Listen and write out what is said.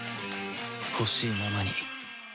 ほしいままに